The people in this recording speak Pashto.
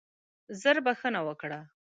ژر بخښنه وکړه.